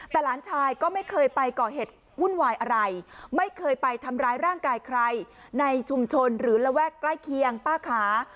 แต่หลานชายก็ไม่เคยไปก่อเหตุวุ่นวายอะไรไม่เคยไปทำร้ายร่างกายใครในชุมชนหรือระแวกใกล้เคียงป้าขา